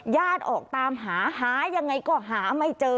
ออกตามหาหายังไงก็หาไม่เจอ